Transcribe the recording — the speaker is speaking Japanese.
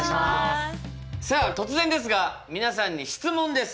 さあ突然ですが皆さんに質問です。